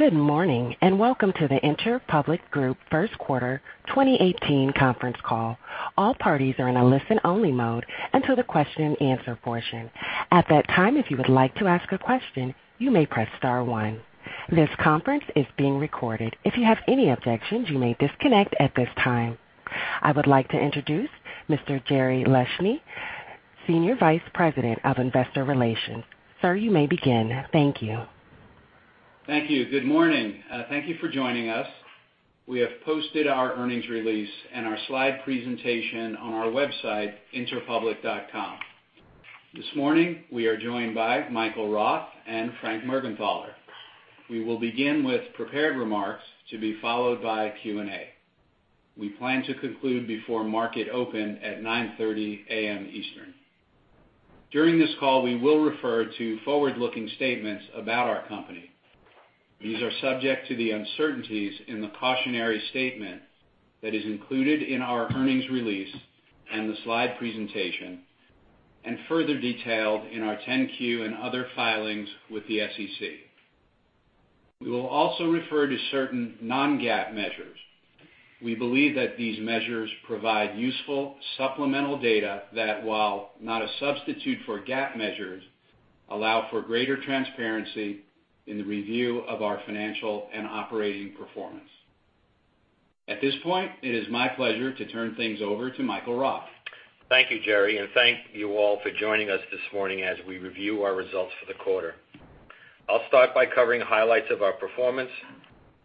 Good morning and welcome to the Interpublic Group First Quarter 2018 conference call. All parties are in a listen-only mode until the question-and-answer portion. At that time, if you would like to ask a question, you may press star one. This conference is being recorded. If you have any objections, you may disconnect at this time. I would like to introduce Mr. Jerry Leshne, Senior Vice President of Investor Relations. Sir, you may begin. Thank you. Thank you. Good morning. Thank you for joining us. We have posted our earnings release and our slide presentation on our website, interpublic.com. This morning, we are joined by Michael Roth and Frank Mergenthaler. We will begin with prepared remarks to be followed by Q&A. We plan to conclude before market open at 9:30 A.M. Eastern. During this call, we will refer to forward-looking statements about our company. These are subject to the uncertainties in the cautionary statement that is included in our earnings release and the slide presentation, and further detailed in our 10-Q and other filings with the SEC. We will also refer to certain non-GAAP measures. We believe that these measures provide useful supplemental data that, while not a substitute for GAAP measures, allow for greater transparency in the review of our financial and operating performance. At this point, it is my pleasure to turn things over to Michael Roth. Thank you, Jerry, and thank you all for joining us this morning as we review our results for the quarter. I'll start by covering highlights of our performance.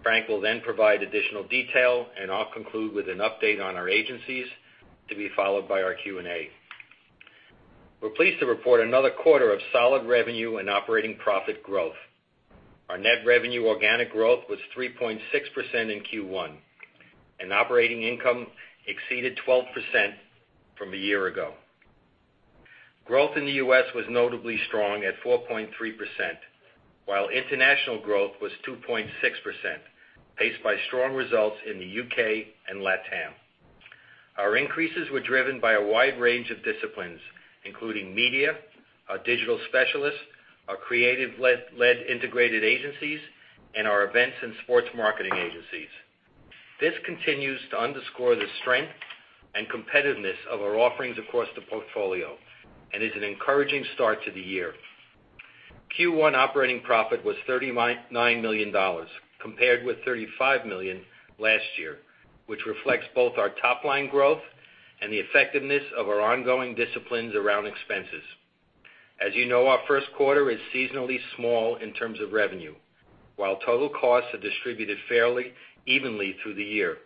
Frank will then provide additional detail, and I'll conclude with an update on our agencies to be followed by our Q&A. We're pleased to report another quarter of solid revenue and operating profit growth. Our net revenue organic growth was 3.6% in Q1, and operating income exceeded 12% from a year ago. Growth in the U.S. was notably strong at 4.3%, while international growth was 2.6%, paced by strong results in the U.K. and LATAM. Our increases were driven by a wide range of disciplines, including media, our digital specialists, our creative-led integrated agencies, and our events and sports marketing agencies. This continues to underscore the strength and competitiveness of our offerings across the portfolio and is an encouraging start to the year. Q1 operating profit was $39 million, compared with $35 million last year, which reflects both our top-line growth and the effectiveness of our ongoing disciplines around expenses. As you know, our first quarter is seasonally small in terms of revenue, while total costs are distributed fairly evenly through the year.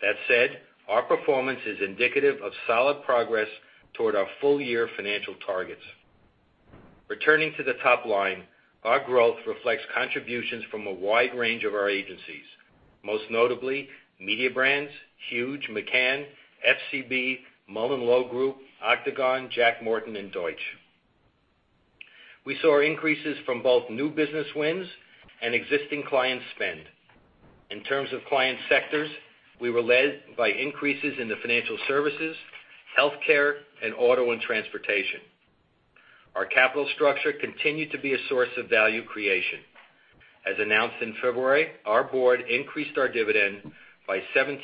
That said, our performance is indicative of solid progress toward our full-year financial targets. Returning to the top line, our growth reflects contributions from a wide range of our agencies, most notably Mediabrands: Huge, McCann, FCB, MullenLowe Group, Octagon, Jack Morton, and Deutsch. We saw increases from both new business wins and existing client spend. In terms of client sectors, we were led by increases in the financial services, healthcare, and auto and transportation. Our capital structure continued to be a source of value creation. As announced in February, our board increased our dividend by 17%,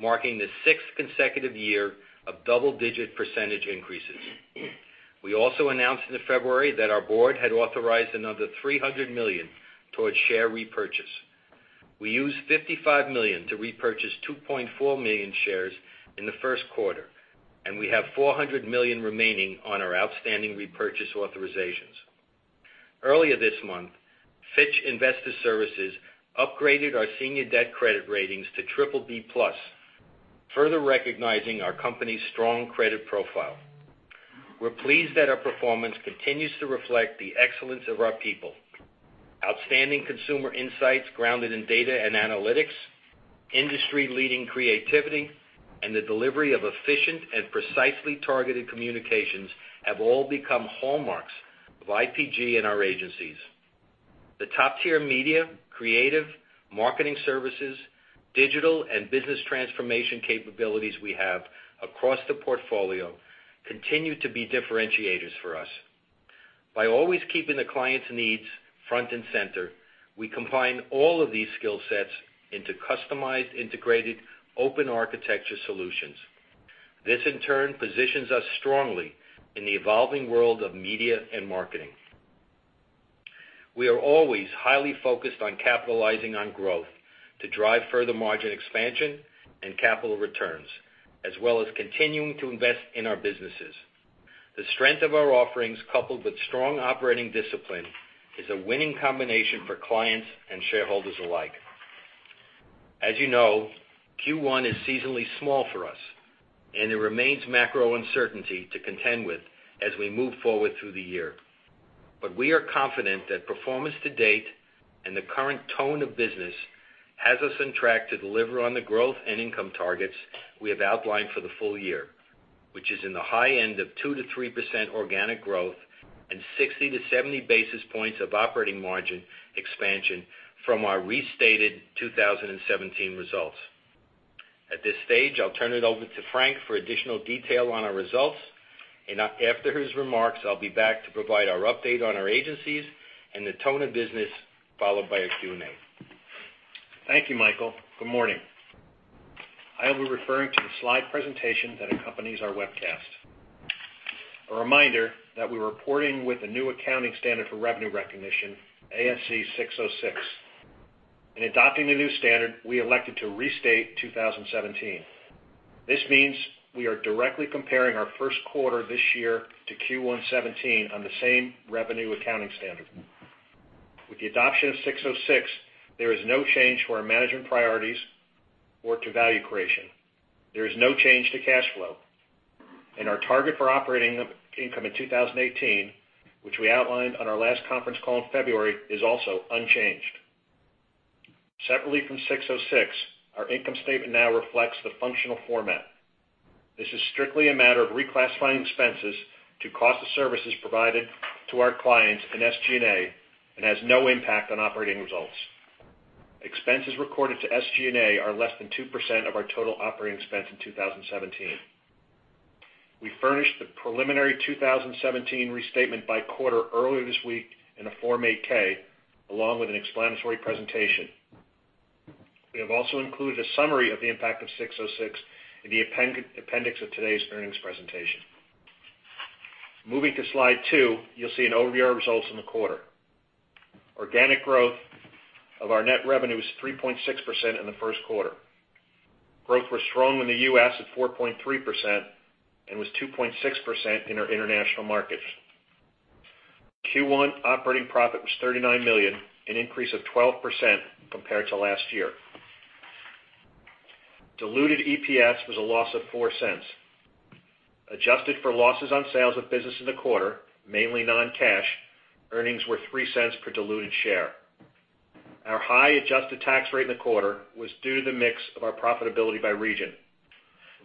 marking the sixth consecutive year of double-digit percentage increases. We also announced in February that our board had authorized another $300 million toward share repurchase. We used $55 million to repurchase 2.4 million shares in the first quarter, and we have $400 million remaining on our outstanding repurchase authorizations. Earlier this month, Fitch Ratings upgraded our senior debt credit ratings to BBB plus, further recognizing our company's strong credit profile. We're pleased that our performance continues to reflect the excellence of our people. Outstanding consumer insights grounded in data and analytics, industry-leading creativity, and the delivery of efficient and precisely targeted communications have all become hallmarks of IPG and our agencies. The top-tier media, creative marketing services, digital, and business transformation capabilities we have across the portfolio continue to be differentiators for us. By always keeping the client's needs front and center, we combine all of these skill sets into customized, integrated, open architecture solutions. This, in turn, positions us strongly in the evolving world of media and marketing. We are always highly focused on capitalizing on growth to drive further margin expansion and capital returns, as well as continuing to invest in our businesses. The strength of our offerings, coupled with strong operating discipline, is a winning combination for clients and shareholders alike. As you know, Q1 is seasonally small for us, and it remains macro uncertainty to contend with as we move forward through the year. But we are confident that performance to date and the current tone of business has us on track to deliver on the growth and income targets we have outlined for the full year, which is in the high end of 2%-3% organic growth and 60-70 basis points of operating margin expansion from our restated 2017 results. At this stage, I'll turn it over to Frank for additional detail on our results, and after his remarks, I'll be back to provide our update on our agencies and the tone of business, followed by a Q&A. Thank you, Michael. Good morning. I will be referring to the slide presentation that accompanies our webcast. A reminder that we're reporting with a new accounting standard for revenue recognition, ASC 606. In adopting the new standard, we elected to restate 2017. This means we are directly comparing our first quarter this year to Q1 17 on the same revenue accounting standard. With the adoption of 606, there is no change to our management priorities or to value creation. There is no change to cash flow, and our target for operating income in 2018, which we outlined on our last conference call in February, is also unchanged. Separately from 606, our income statement now reflects the functional format. This is strictly a matter of reclassifying expenses to cost of services provided to our clients in SG&A and has no impact on operating results. Expenses recorded to SG&A are less than 2% of our total operating expense in 2017. We furnished the preliminary 2017 restatement by quarter earlier this week in a Form 8-K, along with an explanatory presentation. We have also included a summary of the impact of ASC 606 in the appendix of today's earnings presentation. Moving to slide two, you'll see an overview of our results in the quarter. Organic growth of our net revenue was 3.6% in the first quarter. Growth was strong in the U.S. at 4.3% and was 2.6% in our international markets. Q1 operating profit was $39 million, an increase of 12% compared to last year. Diluted EPS was a loss of $0.04. Adjusted for losses on sales of business in the quarter, mainly non-cash, earnings were $0.03 per diluted share. Our high adjusted tax rate in the quarter was due to the mix of our profitability by region.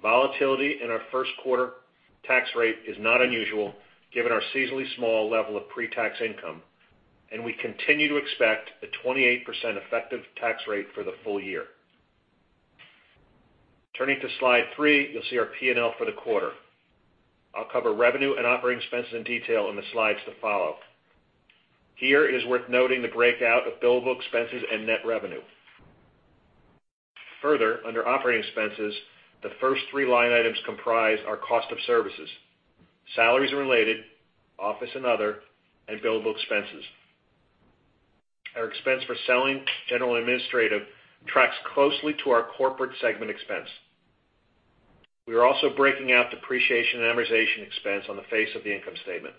Volatility in our first quarter tax rate is not unusual, given our seasonally small level of pre-tax income, and we continue to expect a 28% effective tax rate for the full year. Turning to slide three, you'll see our P&L for the quarter. I'll cover revenue and operating expenses in detail in the slides to follow. Here, it is worth noting the breakout of billable expenses and net revenue. Further, under operating expenses, the first three line items comprise our cost of services: salaries and related, office and other, and billable expenses. Our expense for selling general administrative tracks closely to our corporate segment expense. We are also breaking out depreciation and amortization expense on the face of the income statement.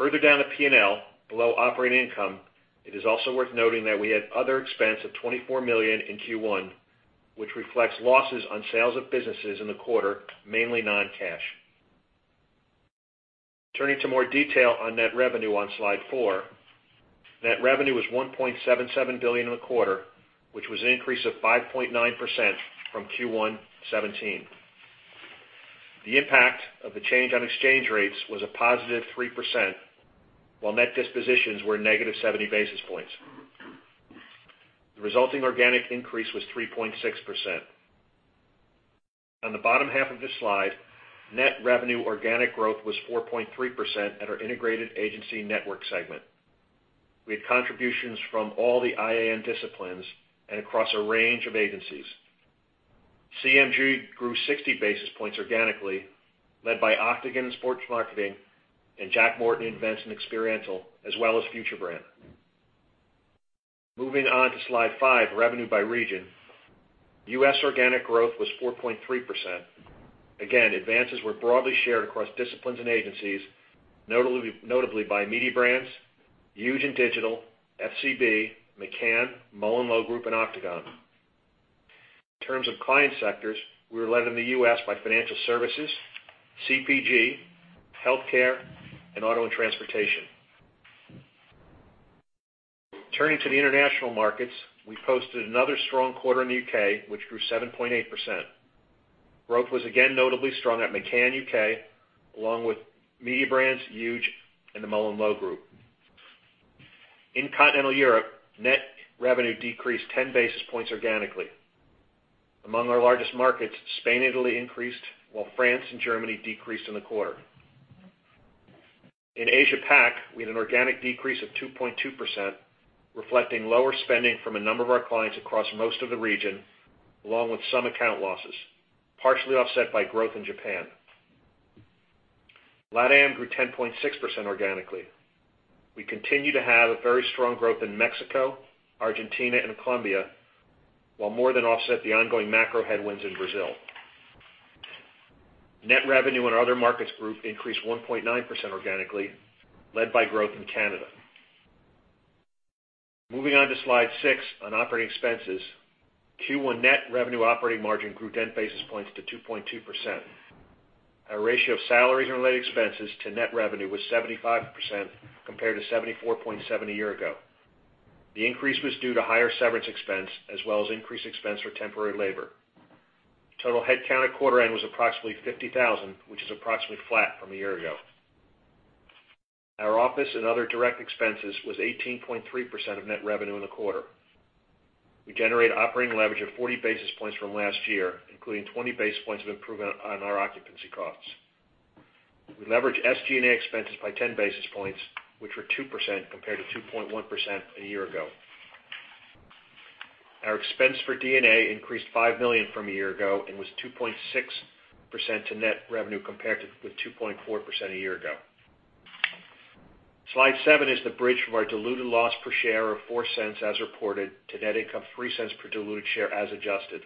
Further down the P&L, below operating income, it is also worth noting that we had other expense of $24 million in Q1, which reflects losses on sales of businesses in the quarter, mainly non-cash. Turning to more detail on net revenue on slide four, net revenue was $1.77 billion in the quarter, which was an increase of 5.9% from Q1 17. The impact of the change on exchange rates was a positive 3%, while net dispositions were negative 70 basis points. The resulting organic increase was 3.6%. On the bottom half of this slide, net revenue organic growth was 4.3% at our Integrated Agency Network segment. We had contributions from all the IAN disciplines and across a range of agencies. CMG grew 60 basis points organically, led by Octagon and sports marketing, and Jack Morton and Momentum, as well as FutureBrand. Moving on to slide five, revenue by region, U.S. organic growth was 4.3%. Again, advances were broadly shared across disciplines and agencies, notably by Mediabrands, Huge and digital, FCB, McCann, MullenLowe Group, and Octagon. In terms of client sectors, we were led in the U.S. by financial services, CPG, healthcare, and auto and transportation. Turning to the international markets, we posted another strong quarter in the U.K., which grew 7.8%. Growth was again notably strong at McCann U.K., along with Mediabrands, Huge, and the MullenLowe Group. In continental Europe, net revenue decreased 10 basis points organically. Among our largest markets, Spain and Italy increased, while France and Germany decreased in the quarter. In Asia-Pac, we had an organic decrease of 2.2%, reflecting lower spending from a number of our clients across most of the region, along with some account losses, partially offset by growth in Japan. LATAM grew 10.6% organically. We continue to have very strong growth in Mexico, Argentina, and Colombia, while more than offset the ongoing macro headwinds in Brazil. Net revenue in our other markets group increased 1.9% organically, led by growth in Canada. Moving on to slide six on operating expenses, Q1 net revenue operating margin grew 10 basis points to 2.2%. Our ratio of salaries and related expenses to net revenue was 75% compared to 74.7 a year ago. The increase was due to higher severance expense, as well as increased expense for temporary labor. Total headcount at quarter end was approximately 50,000, which is approximately flat from a year ago. Our office and other direct expenses was 18.3% of net revenue in the quarter. We generate operating leverage of 40 basis points from last year, including 20 basis points of improvement on our occupancy costs. We leverage SG&A expenses by 10 basis points, which were 2% compared to 2.1% a year ago. Our expense for D&A increased $5 million from a year ago and was 2.6% to net revenue compared with 2.4% a year ago. Slide seven is the bridge for our diluted loss per share of $0.04 as reported to net income $0.03 per diluted share as adjusted.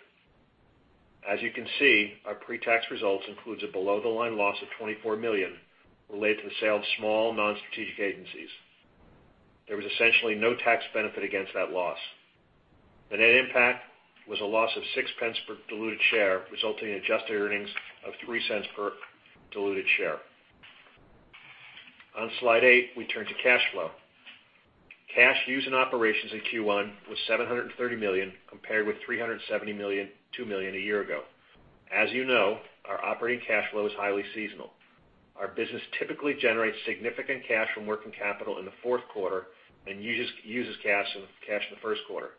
As you can see, our pre-tax results include a below-the-line loss of $24 million related to the sale of small non-strategic agencies. There was essentially no tax benefit against that loss. The net impact was a loss of $0.06 per diluted share, resulting in adjusted earnings of $0.03 per diluted share. On slide eight, we turn to cash flow. Cash used in operations in Q1 was $730 million compared with $372 million a year ago. As you know, our operating cash flow is highly seasonal. Our business typically generates significant cash from working capital in the fourth quarter and uses cash in the first quarter.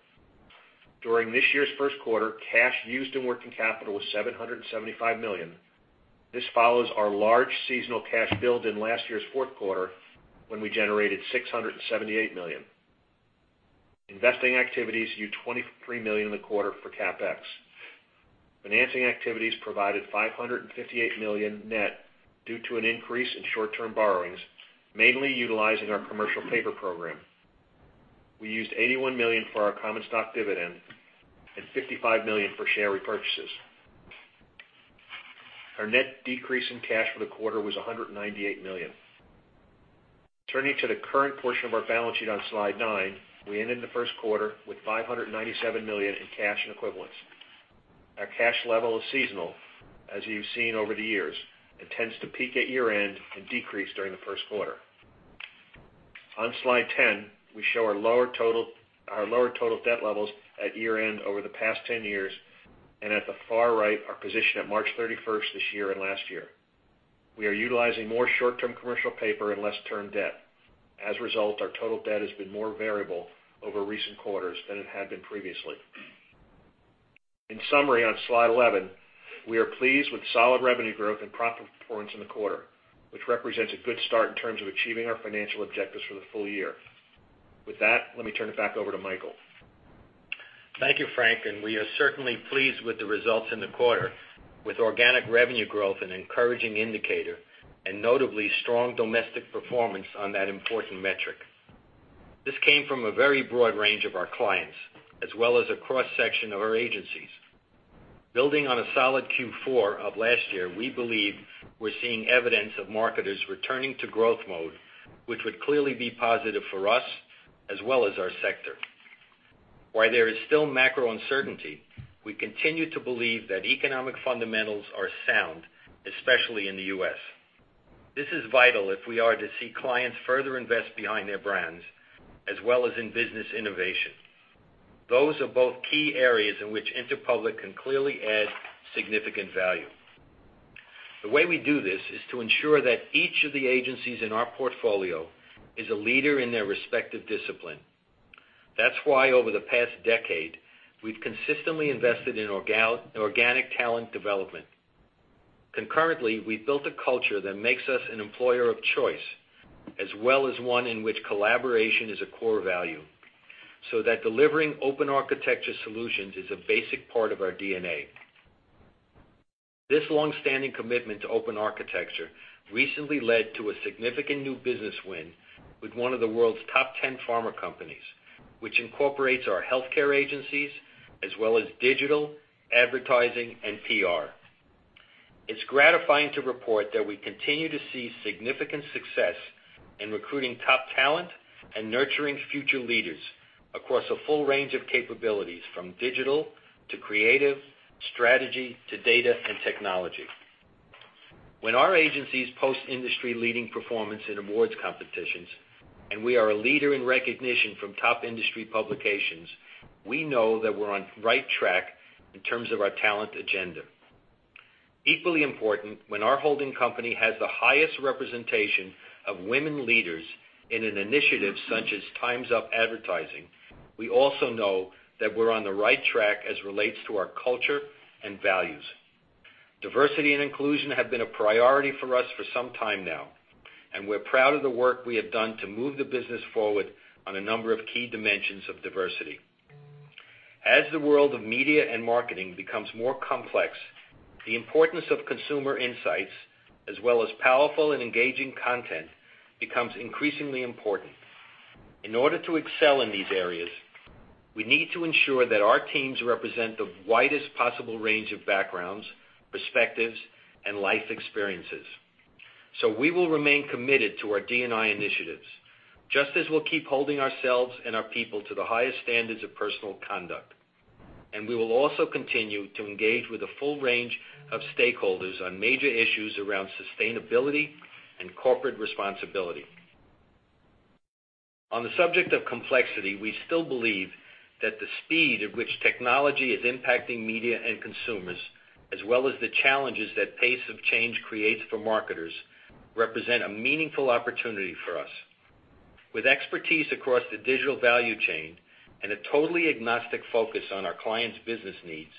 During this year's first quarter, cash used in working capital was $775 million. This follows our large seasonal cash build in last year's fourth quarter when we generated $678 million. Investing activities used $23 million in the quarter for CapEx. Financing activities provided $558 million net due to an increase in short-term borrowings, mainly utilizing our commercial paper program. We used $81 million for our common stock dividend and $55 million for share repurchases. Our net decrease in cash for the quarter was $198 million. Turning to the current portion of our balance sheet on slide nine, we ended the first quarter with $597 million in cash and equivalents. Our cash level is seasonal, as you've seen over the years, and tends to peak at year-end and decrease during the first quarter. On slide 10, we show our lower total debt levels at year-end over the past 10 years, and at the far right, our position at March 31st this year and last year. We are utilizing more short-term commercial paper and less term debt. As a result, our total debt has been more variable over recent quarters than it had been previously. In summary, on slide 11, we are pleased with solid revenue growth and profit performance in the quarter, which represents a good start in terms of achieving our financial objectives for the full year. With that, let me turn it back over to Michael. Thank you, Frank, and we are certainly pleased with the results in the quarter, with organic revenue growth an encouraging indicator, and notably strong domestic performance on that important metric. This came from a very broad range of our clients, as well as a cross-section of our agencies. Building on a solid Q4 of last year, we believe we're seeing evidence of marketers returning to growth mode, which would clearly be positive for us as well as our sector. While there is still macro uncertainty, we continue to believe that economic fundamentals are sound, especially in the U.S. This is vital if we are to see clients further invest behind their brands, as well as in business innovation. Those are both key areas in which Interpublic can clearly add significant value. The way we do this is to ensure that each of the agencies in our portfolio is a leader in their respective discipline. That's why over the past decade, we've consistently invested in organic talent development. Concurrently, we've built a culture that makes us an employer of choice, as well as one in which collaboration is a core value, so that delivering open architecture solutions is a basic part of our DNA. This long-standing commitment to open architecture recently led to a significant new business win with one of the world's top 10 pharma companies, which incorporates our healthcare agencies, as well as digital, advertising, and PR. It's gratifying to report that we continue to see significant success in recruiting top talent and nurturing future leaders across a full range of capabilities, from digital to creative, strategy to data and technology. When our agencies post industry-leading performance in awards competitions, and we are a leader in recognition from top industry publications, we know that we're on the right track in terms of our talent agenda. Equally important, when our holding company has the highest representation of women leaders in an initiative such as Time's Up Advertising, we also know that we're on the right track as it relates to our culture and values. Diversity and inclusion have been a priority for us for some time now, and we're proud of the work we have done to move the business forward on a number of key dimensions of diversity. As the world of media and marketing becomes more complex, the importance of consumer insights, as well as powerful and engaging content, becomes increasingly important. In order to excel in these areas, we need to ensure that our teams represent the widest possible range of backgrounds, perspectives, and life experiences, so we will remain committed to our D&I initiatives, just as we'll keep holding ourselves and our people to the highest standards of personal conduct, and we will also continue to engage with a full range of stakeholders on major issues around sustainability and corporate responsibility. On the subject of complexity, we still believe that the speed at which technology is impacting media and consumers, as well as the challenges that pace of change creates for marketers, represent a meaningful opportunity for us. With expertise across the digital value chain and a totally agnostic focus on our clients' business needs,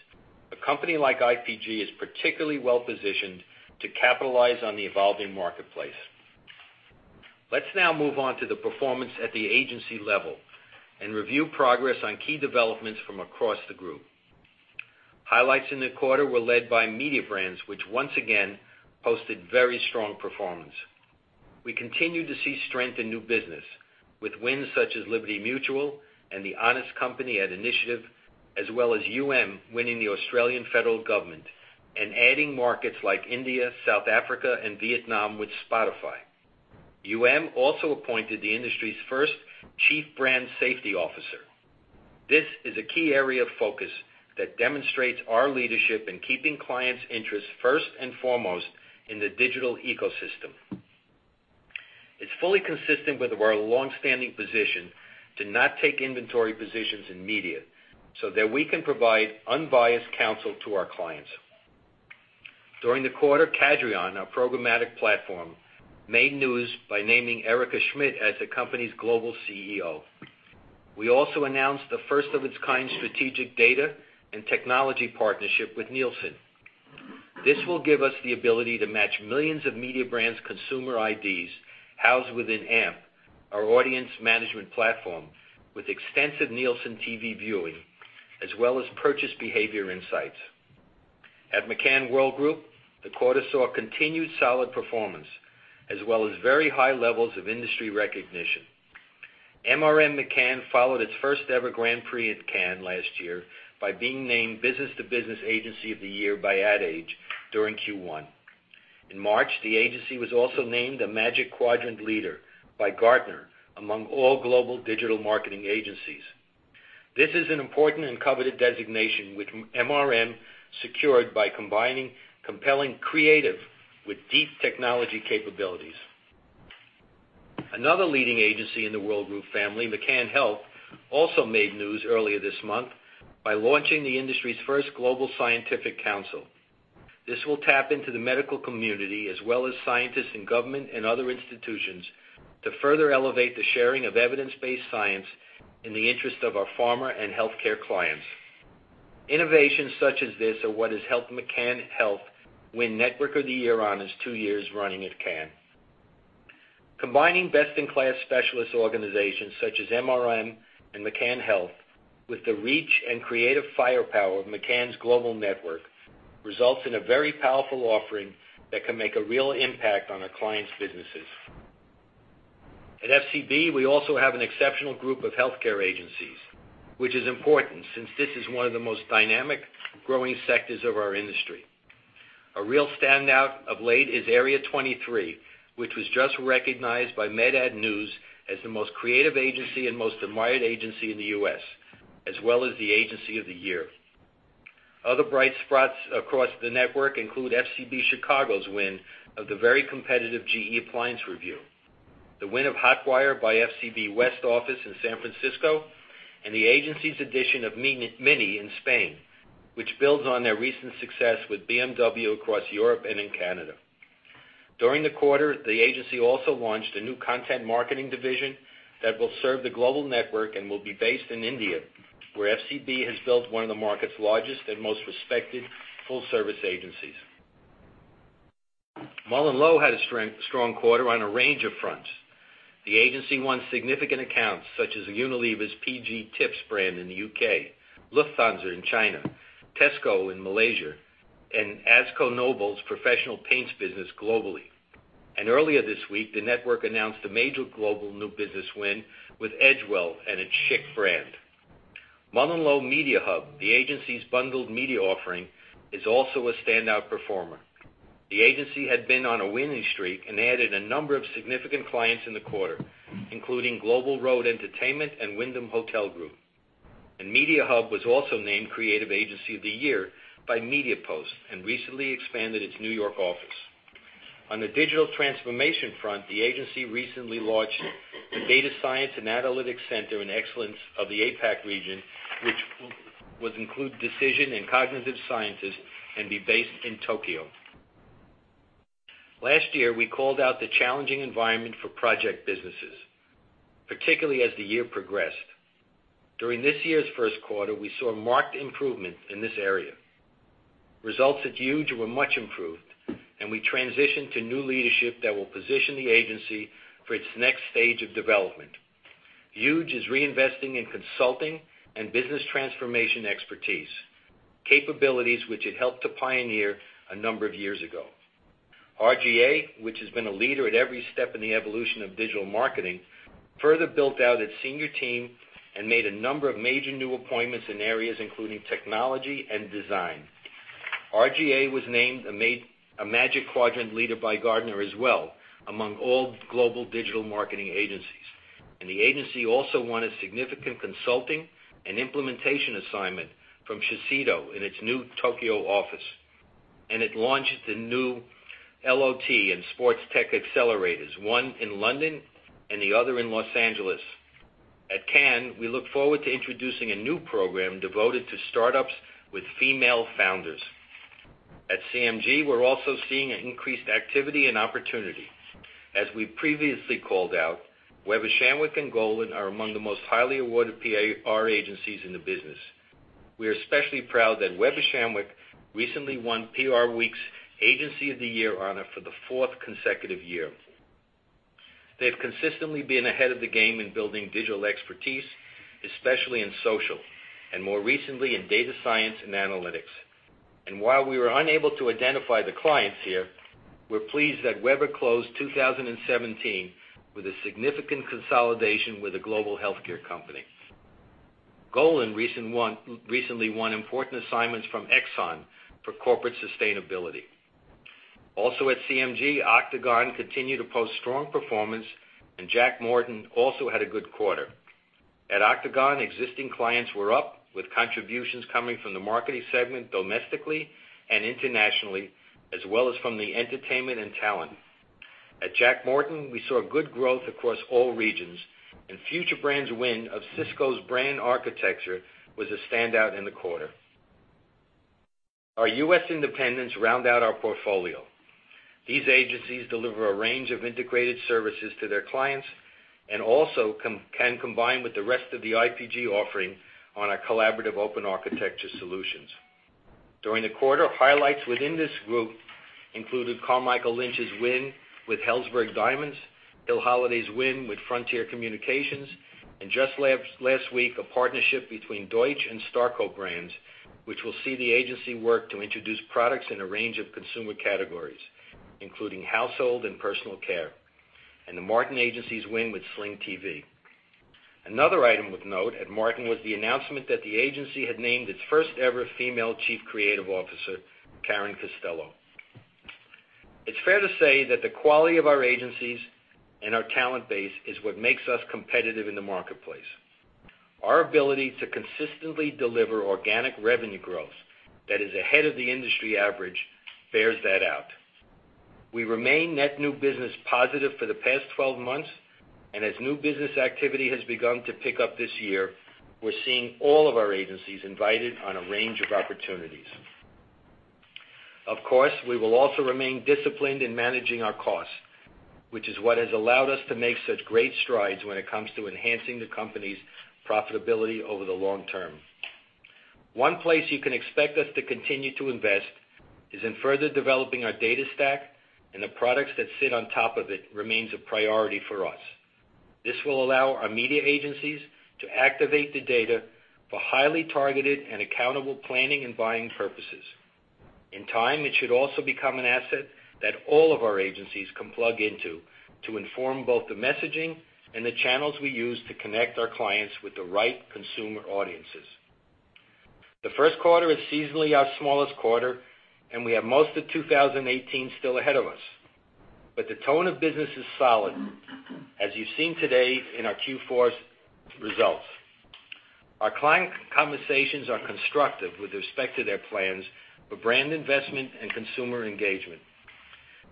a company like IPG is particularly well-positioned to capitalize on the evolving marketplace. Let's now move on to the performance at the agency level and review progress on key developments from across the group. Highlights in the quarter were led by media brands, which once again posted very strong performance. We continue to see strength in new business, with wins such as Liberty Mutual and the Honest Company at Initiative, as well as winning the Australian Federal Government and adding markets like India, South Africa, and Vietnam with Spotify. Also appointed the industry's first chief brand safety officer. This is a key area of focus that demonstrates our leadership in keeping clients' interests first and foremost in the digital ecosystem. It's fully consistent with our long-standing position to not take inventory positions in media, so that we can provide unbiased counsel to our clients. During the quarter, Cadreon, our programmatic platform, made news by naming Erica Schmidt as the company's global CEO. We also announced the first-of-its-kind strategic data and technology partnership with Nielsen. This will give us the ability to match millions of media brands' consumer IDs housed within AMP, our audience management platform, with extensive Nielsen TV viewing, as well as purchase behavior insights. At McCann Worldgroup, the quarter saw continued solid performance, as well as very high levels of industry recognition. MRM McCann followed its first-ever Grand Prix at Cannes last year by being named Business-to-Business Agency of the Year by Ad Age during Q1. In March, the agency was also named a Magic Quadrant Leader by Gartner among all global digital marketing agencies. This is an important and coveted designation, which MRM secured by combining compelling creative with deep technology capabilities. Another leading agency in the Worldgroup family, McCann Health, also made news earlier this month by launching the industry's first global scientific council. This will tap into the medical community, as well as scientists in government and other institutions, to further elevate the sharing of evidence-based science in the interest of our pharma and healthcare clients. Innovations such as this are what has helped McCann Health win Network of the Year for two years running at Cannes. Combining best-in-class specialist organizations such as MRM and McCann Health with the reach and creative firepower of McCann's global network results in a very powerful offering that can make a real impact on our clients' businesses. At FCB, we also have an exceptional group of healthcare agencies, which is important since this is one of the most dynamic, growing sectors of our industry. A real standout of late is Area 23, which was just recognized by Med Ad News as the most creative agency and most admired agency in the U.S., as well as the Agency of the Year. Other bright spots across the network include FCB Chicago's win of the very competitive GE Appliances Review, the win of Hotwire by FCB West office in San Francisco, and the agency's addition of Mini in Spain, which builds on their recent success with BMW across Europe and in Canada. During the quarter, the agency also launched a new content marketing division that will serve the global network and will be based in India, where FCB has built one of the market's largest and most respected full-service agencies. MullenLowe had a strong quarter on a range of fronts. The agency won significant accounts such as Unilever's PG Tips brand in the UK, Lufthansa in China, Tesco in Malaysia, and AkzoNobel's professional paints business globally. And earlier this week, the network announced a major global new business win with Edgewell and its Schick brand. MullenLowe Mediahub, the agency's bundled media offering, is also a standout performer. The agency had been on a winning streak and added a number of significant clients in the quarter, including Global Road Entertainment and Wyndham Hotel Group. And Mediahub was also named Creative Agency of the Year by MediaPost and recently expanded its New York office. On the digital transformation front, the agency recently launched the Data Science and Analytics Center of Excellence of the APAC region, which would include decision and cognitive sciences and be based in Tokyo. Last year, we called out the challenging environment for project businesses, particularly as the year progressed. During this year's first quarter, we saw marked improvement in this area. Results at Huge were much improved, and we transitioned to new leadership that will position the agency for its next stage of development. Huge is reinvesting in consulting and business transformation expertise, capabilities which it helped to pioneer a number of years ago. R/GA, which has been a leader at every step in the evolution of digital marketing, further built out its senior team and made a number of major new appointments in areas including technology and design. R/GA was named a Magic Quadrant Leader by Gartner as well, among all global digital marketing agencies, and the agency also won a significant consulting and implementation assignment from Shiseido in its new Tokyo office. And it launched the new loT and Sports Tech Accelerators, one in London and the other in Los Angeles. At Cannes, we look forward to introducing a new program devoted to startups with female founders. At CMG, we're also seeing increased activity and opportunity. As we previously called out, Weber Shandwick and Golin are among the most highly awarded PR agencies in the business. We are especially proud that Weber Shandwick recently won PRWeek's Agency of the Year honor for the fourth consecutive year. They've consistently been ahead of the game in building digital expertise, especially in social, and more recently in data science and analytics. And while we were unable to identify the clients here, we're pleased that Weber closed 2017 with a significant consolidation with a global healthcare company. Golin recently won important assignments from Exxon for corporate sustainability. Also at CMG, Octagon continued to post strong performance, and Jack Morton also had a good quarter. At Octagon, existing clients were up, with contributions coming from the marketing segment domestically and internationally, as well as from the entertainment and talent. At Jack Morton, we saw good growth across all regions, and FutureBrand's win of Cisco's brand architecture was a standout in the quarter. Our U.S. independents round out our portfolio. These agencies deliver a range of integrated services to their clients and also can combine with the rest of the IPG offering on our collaborative open architecture solutions. During the quarter, highlights within this group included Carmichael Lynch's win with Helzberg Diamonds, Hill Holliday's win with Frontier Communications, and just last week, a partnership between Deutsch and Starco Brands, which will see the agency work to introduce products in a range of consumer categories, including household and personal care, and the Martin Agency's win with Sling TV. Another item of note at Martin was the announcement that the agency had named its first-ever female chief creative officer, Karen Costello. It's fair to say that the quality of our agencies and our talent base is what makes us competitive in the marketplace. Our ability to consistently deliver organic revenue growth that is ahead of the industry average bears that out. We remain net new business positive for the past 12 months, and as new business activity has begun to pick up this year, we're seeing all of our agencies invited on a range of opportunities. Of course, we will also remain disciplined in managing our costs, which is what has allowed us to make such great strides when it comes to enhancing the company's profitability over the long term. One place you can expect us to continue to invest is in further developing our data stack, and the products that sit on top of it remain a priority for us. This will allow our media agencies to activate the data for highly targeted and accountable planning and buying purposes. In time, it should also become an asset that all of our agencies can plug into to inform both the messaging and the channels we use to connect our clients with the right consumer audiences. The first quarter is seasonally our smallest quarter, and we have most of 2018 still ahead of us. But the tone of business is solid, as you've seen today in our Q4 results. Our client conversations are constructive with respect to their plans for brand investment and consumer engagement.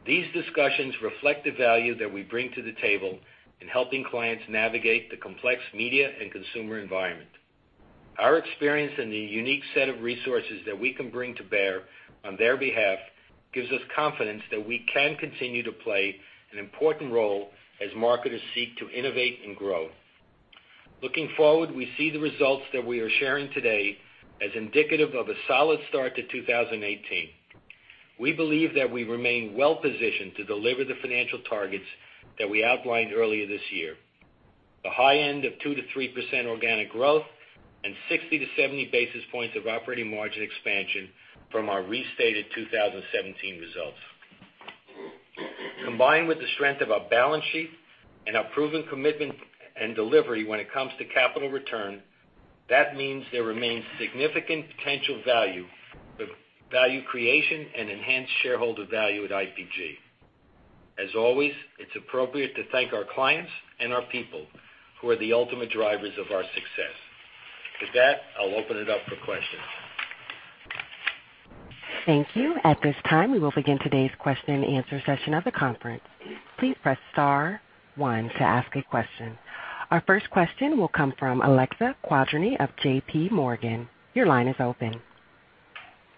These discussions reflect the value that we bring to the table in helping clients navigate the complex media and consumer environment. Our experience and the unique set of resources that we can bring to bear on their behalf gives us confidence that we can continue to play an important role as marketers seek to innovate and grow. Looking forward, we see the results that we are sharing today as indicative of a solid start to 2018. We believe that we remain well-positioned to deliver the financial targets that we outlined earlier this year: the high end of 2%-3% organic growth and 60-70 basis points of operating margin expansion from our restated 2017 results. Combined with the strength of our balance sheet and our proven commitment and delivery when it comes to capital return, that means there remains significant potential value for value creation and enhanced shareholder value at IPG. As always, it's appropriate to thank our clients and our people who are the ultimate drivers of our success. With that, I'll open it up for questions. Thank you. At this time, we will begin today's question-and-answer session of the conference. Please press star one to ask a question. Our first question will come from Alexia Quadrani of J.P. Morgan. Your line is open.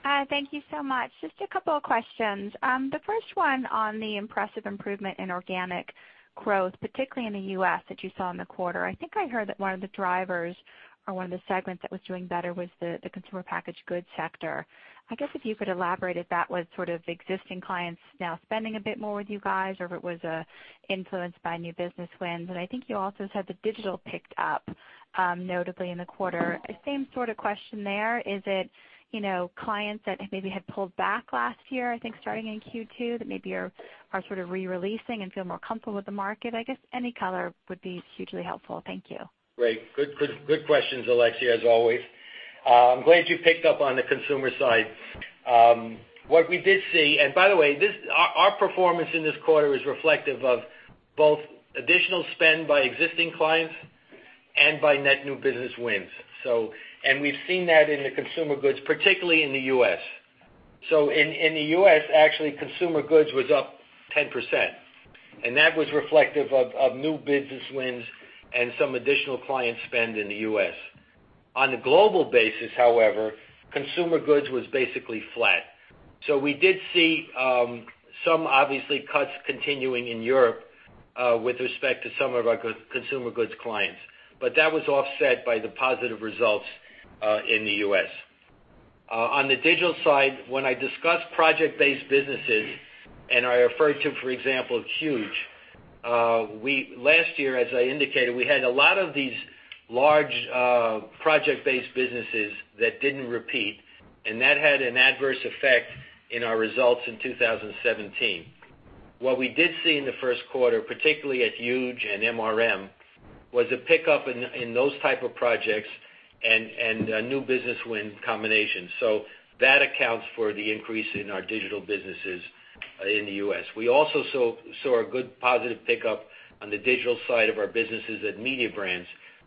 Hi. Thank you so much. Just a couple of questions. The first one on the impressive improvement in organic growth, particularly in the U.S. that you saw in the quarter. I think I heard that one of the drivers or one of the segments that was doing better was the consumer packaged goods sector. I guess if you could elaborate if that was sort of existing clients now spending a bit more with you guys or if it was influenced by new business wins. And I think you also said the digital picked up notably in the quarter. Same sort of question there. Is it clients that maybe had pulled back last year, I think starting in Q2, that maybe are sort of releasing and feel more comfortable with the market? I guess any color would be hugely helpful. Thank you. Great. Good questions, Alexia, as always. I'm glad you picked up on the consumer side. What we did see, and by the way, our performance in this quarter is reflective of both additional spend by existing clients and by net new business wins. And we've seen that in the consumer goods, particularly in the U.S. So in the U.S., actually, consumer goods was up 10%. And that was reflective of new business wins and some additional client spend in the U.S. On a global basis, however, consumer goods was basically flat. So we did see some, obviously, cuts continuing in Europe with respect to some of our consumer goods clients. But that was offset by the positive results in the U.S. On the digital side, when I discuss project-based businesses and I referred to, for example, Huge, last year, as I indicated, we had a lot of these large project-based businesses that didn't repeat. And that had an adverse effect in our results in 2017. What we did see in the first quarter, particularly at Huge and MRM, was a pickup in those types of projects and new business win combinations. So that accounts for the increase in our digital businesses in the U.S. We also saw a good positive pickup on the digital side of our businesses at media brands,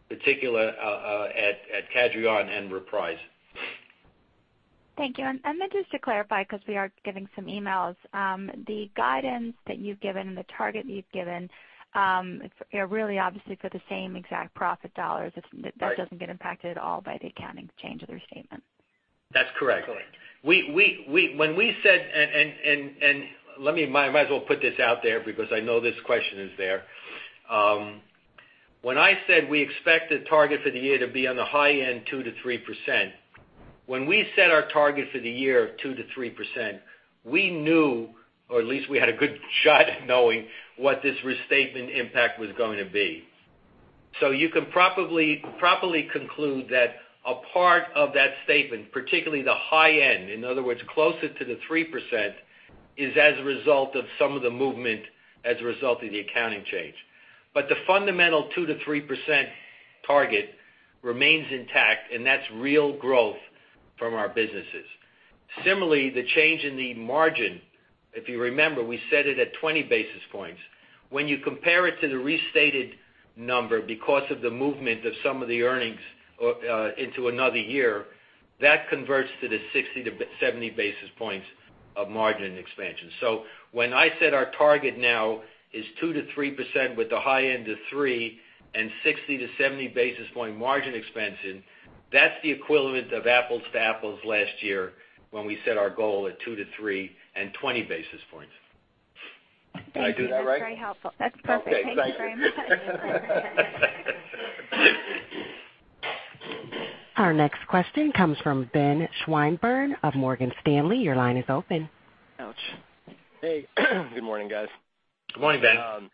particularly at Cadreon and Reprise. Thank you. And then just to clarify because we are getting some emails, the guidance that you've given and the target that you've given are really, obviously, for the same exact profit dollars. That doesn't get impacted at all by the accounting change of their statement. That's correct. When we said, and let me might as well put this out there because I know this question is there, when I said we expect the target for the year to be on the high end, 2%-3%, when we set our target for the year of 2%-3%, we knew, or at least we had a good shot at knowing what this restatement impact was going to be. So you can probably conclude that a part of that statement, particularly the high end, in other words, closer to the 3%, is as a result of some of the movement as a result of the accounting change. But the fundamental 2%-3% target remains intact, and that's real growth from our businesses. Similarly, the change in the margin, if you remember, we set it at 20 basis points. When you compare it to the restated number because of the movement of some of the earnings into another year, that converts to the 60-70 basis points of margin expansion. So when I said our target now is 2%-3% with the high end of 3% and 60-70 basis point margin expansion, that's the equivalent of apples to apples last year when we set our goal at 2%-3% and 20 basis points. Did I do that right? That's very helpful. That's perfect. Thank you very much. Our next question comes from Ben Swinburne of Morgan Stanley. Your line is open. Ouch. Hey. Good morning, guys. Good morning, Ben.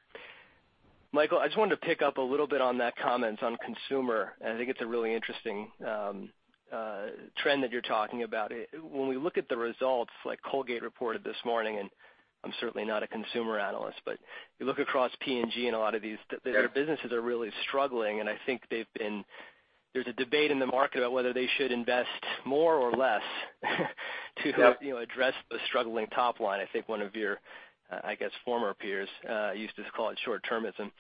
Michael, I just wanted to pick up a little bit on that comment on consumer. I think it's a really interesting trend that you're talking about. When we look at the results, like Colgate reported this morning, and I'm certainly not a consumer analyst, but you look across P&G and a lot of these businesses are really struggling, and I think there's a debate in the market about whether they should invest more or less to address the struggling top line. I think one of your, I guess, former peers used to call it short-termism.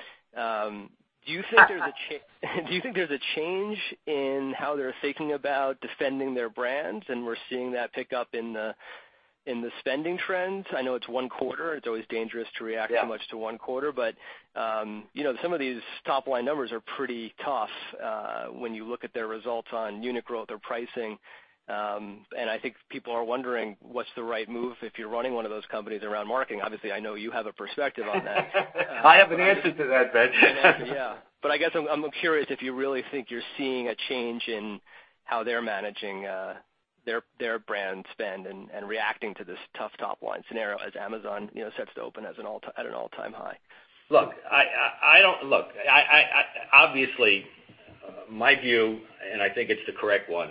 Do you think there's a change? Do you think there's a change in how they're thinking about defending their brands? And we're seeing that pick up in the spending trends. I know it's one quarter. It's always dangerous to react too much to one quarter, but some of these top-line numbers are pretty tough when you look at their results on unit growth or pricing. And I think people are wondering what's the right move if you're running one of those companies around marketing. Obviously, I know you have a perspective on that. I have an answer to that, Ben. Yeah. But I guess I'm curious if you really think you're seeing a change in how they're managing their brand spend and reacting to this tough top-line scenario as Amazon sets to open at an all-time high. Look, look, obviously, my view, and I think it's the correct one,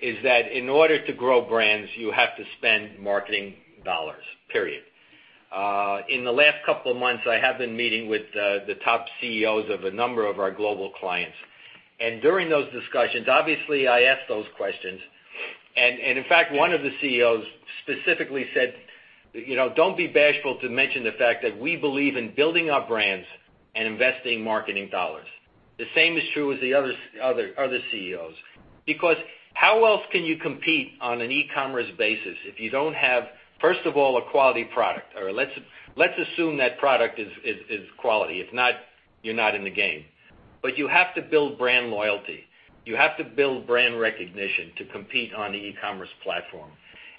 is that in order to grow brands, you have to spend marketing dollars, period. In the last couple of months, I have been meeting with the top CEOs of a number of our global clients. And during those discussions, obviously, I asked those questions. And in fact, one of the CEOs specifically said, "Don't be bashful to mention the fact that we believe in building our brands and investing marketing dollars." The same is true as the other CEOs because how else can you compete on an e-commerce basis if you don't have, first of all, a quality product, or let's assume that product is quality? If not, you're not in the game, but you have to build brand loyalty. You have to build brand recognition to compete on the e-commerce platform,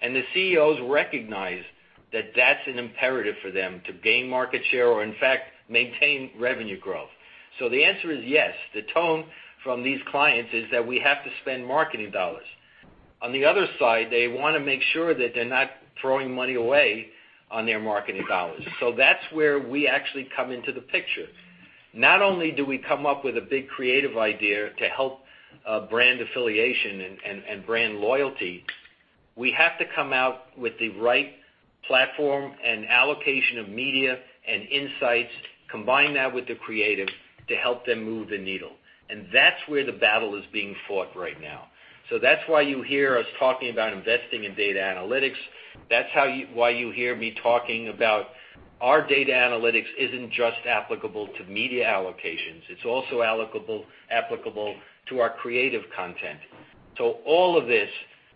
and the CEOs recognize that that's an imperative for them to gain market share or, in fact, maintain revenue growth, so the answer is yes. The tone from these clients is that we have to spend marketing dollars. On the other side, they want to make sure that they're not throwing money away on their marketing dollars. So that's where we actually come into the picture. Not only do we come up with a big creative idea to help brand affiliation and brand loyalty, we have to come out with the right platform and allocation of media and insights, combine that with the creative to help them move the needle. And that's where the battle is being fought right now. So that's why you hear us talking about investing in data analytics. That's why you hear me talking about our data analytics isn't just applicable to media allocations. It's also applicable to our creative content. So all of this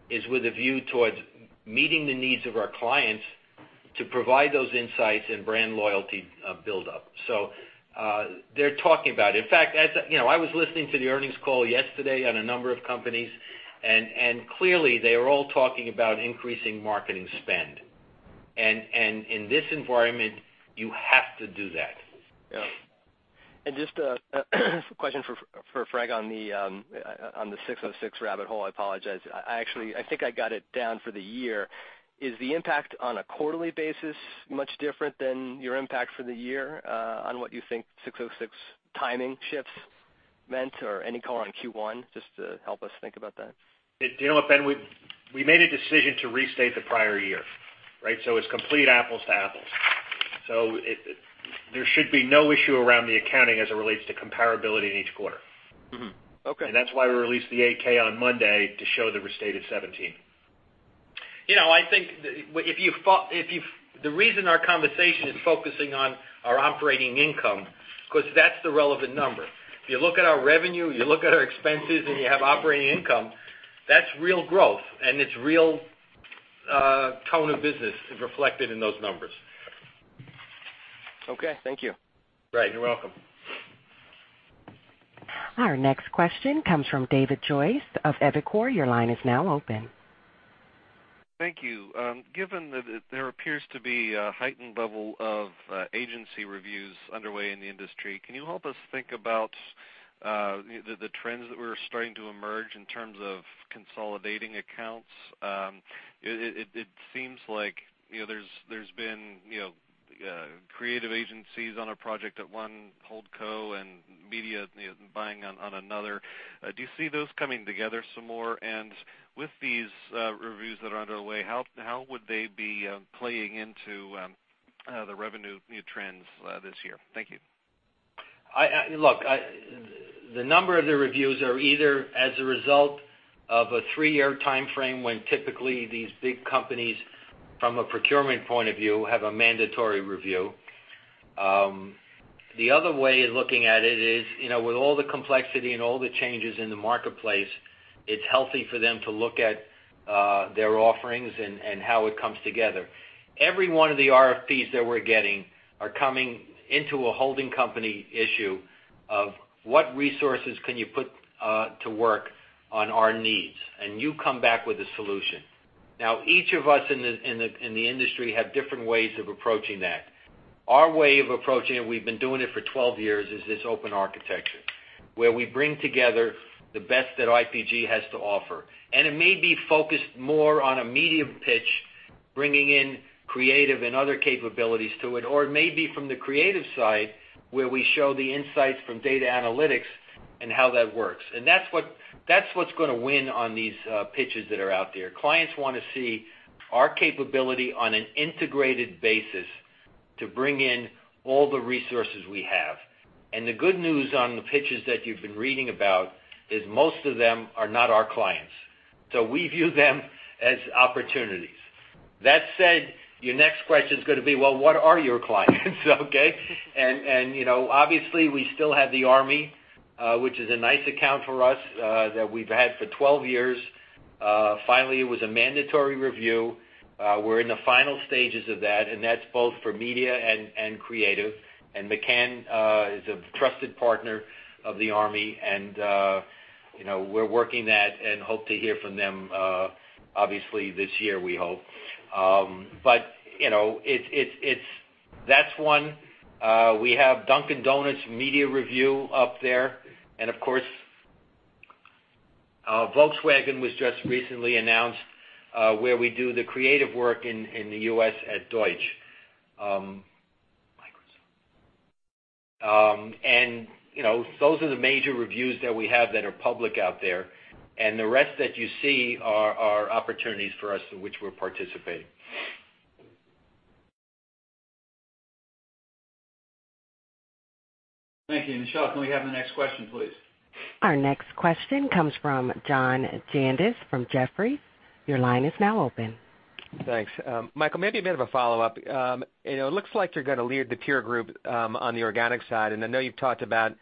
is with a view towards meeting the needs of our clients to provide those insights and brand loyalty build-up. So they're talking about it. In fact, I was listening to the earnings call yesterday on a number of companies, and clearly, they are all talking about increasing marketing spend. And in this environment, you have to do that. Yeah. And just a question for Frank on the 606 rabbit hole. I apologize. I think I got it down for the year. Is the impact on a quarterly basis much different than your impact for the year on what you think 606 timing shifts meant or any color on Q1? Just to help us think about that. Do you know what, Ben? We made a decision to restate the prior year, right? So it's complete apples to apples. So there should be no issue around the accounting as it relates to comparability in each quarter. And that's why we released the 8-K on Monday to show the restated 2017. I think if you, the reason our conversation is focusing on our operating income because that's the relevant number. If you look at our revenue, you look at our expenses, and you have operating income, that's real growth. And it's real tone of business reflected in those numbers. Okay. Thank you. Right. You're welcome. Our next question comes from David Joyce of Evercore ISI. Your line is now open. Thank you. Given that there appears to be a heightened level of agency reviews underway in the industry, can you help us think about the trends that we're starting to emerge in terms of consolidating accounts? It seems like there's been creative agencies on a project at one, Holdco, and media buying on another. Do you see those coming together some more? And with these reviews that are underway, how would they be playing into the revenue trends this year? Thank you. Look, the number of the reviews are either as a result of a three-year time frame when typically these big companies, from a procurement point of view, have a mandatory review. The other way of looking at it is, with all the complexity and all the changes in the marketplace, it's healthy for them to look at their offerings and how it comes together. Every one of the RFPs that we're getting are coming into a holding company issue of what resources can you put to work on our needs, and you come back with a solution. Now, each of us in the industry have different ways of approaching that. Our way of approaching it, we've been doing it for 12 years, is this open architecture where we bring together the best that IPG has to offer. It may be focused more on a media pitch, bringing in creative and other capabilities to it, or it may be from the creative side where we show the insights from data analytics and how that works. And that's what's going to win on these pitches that are out there. Clients want to see our capability on an integrated basis to bring in all the resources we have. And the good news on the pitches that you've been reading about is most of them are not our clients. So we view them as opportunities. That said, your next question is going to be, well, what are your clients? Okay? And obviously, we still have the Army, which is a nice account for us that we've had for 12 years. Finally, it was a mandatory review. We're in the final stages of that, and that's both for media and creative. McCann is a trusted partner of the Army, and we're working that and hope to hear from them, obviously, this year, we hope. But that's one. We have Dunkin' Donuts media review up there. And of course, Volkswagen was just recently announced where we do the creative work in the U.S. at Deutsch. And those are the major reviews that we have that are public out there. And the rest that you see are opportunities for us in which we're participating. Thank you. Michelle, can we have the next question, please? Our next question comes from John Janedis from Jefferies. Your line is now open. Thanks. Michael, maybe a bit of a follow-up. It looks like you're going to lead the peer group on the organic side. And I know you've talked about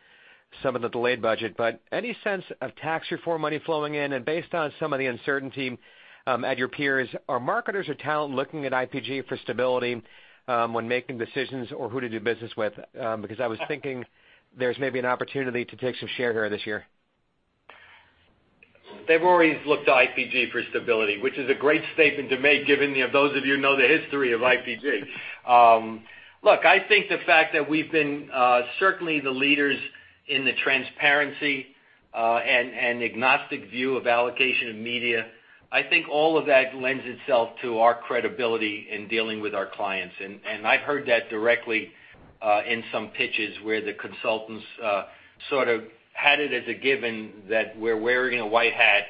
some of the delayed budget, but any sense of tax reform money flowing in? Based on some of the uncertainty at your peers, are marketers or talent looking at IPG for stability when making decisions or who to do business with? Because I was thinking there's maybe an opportunity to take some share here this year. They've always looked to IPG for stability, which is a great statement to make given those of you who know the history of IPG. Look, I think the fact that we've been certainly the leaders in the transparency and agnostic view of allocation of media. I think all of that lends itself to our credibility in dealing with our clients. I've heard that directly in some pitches where the consultants sort of had it as a given that we're wearing a white hat,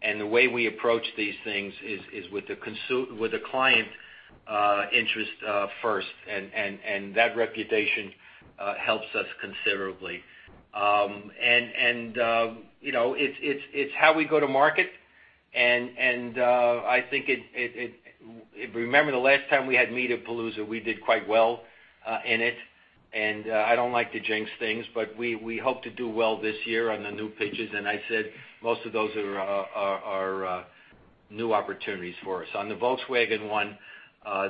and the way we approach these things is with the client interest first. That reputation helps us considerably. And it's how we go to market. And I think remember the last time we had Mediapalooza, we did quite well in it. And I don't like to jinx things, but we hope to do well this year on the new pitches. And I said most of those are new opportunities for us. On the Volkswagen one,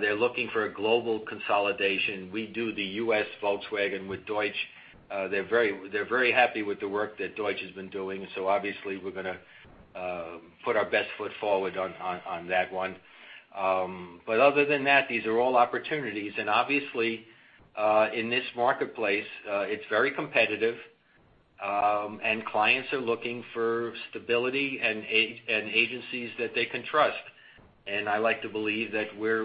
they're looking for a global consolidation. We do the U.S. Volkswagen with Deutsch. They're very happy with the work that Deutsch has been doing. So obviously, we're going to put our best foot forward on that one. But other than that, these are all opportunities. And obviously, in this marketplace, it's very competitive, and clients are looking for stability and agencies that they can trust. And I like to believe that we're